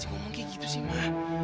ma mungkin begitu sih ma